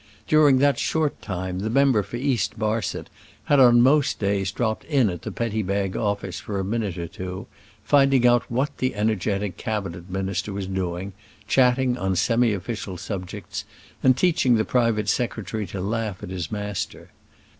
During that short time the member for East Barset had on most days dropped in at the Petty Bag Office for a minute or two, finding out what the energetic cabinet minister was doing, chatting on semi official subjects, and teaching the private secretary to laugh at his master.